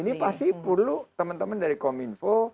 ini pasti perlu teman teman dari kominfo